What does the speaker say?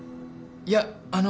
いやあの。